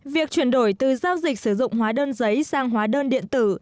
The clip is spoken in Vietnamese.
việc chuyển đổi từ giao dịch sử dụng hóa đơn giấy sang hóa đơn điện tử